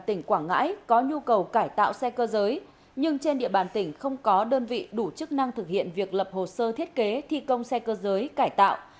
tỉnh quảng ngãi có nhu cầu cải tạo xe cơ giới nhưng trên địa bàn tỉnh không có đơn vị đủ chức năng thực hiện việc lập hồ sơ thiết kế thi công xe cơ giới cải tạo